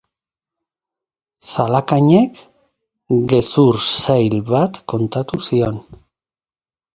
Zalakainek gezur sail bat kontatu zion.